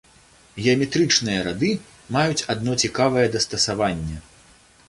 Геаметрычныя рады маюць адно цікавае дастасаванне.